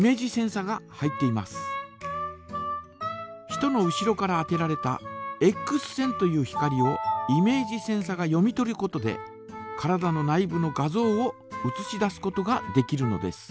人の後ろから当てられたエックス線という光をイメージセンサが読み取ることで体の内部の画像をうつし出すことができるのです。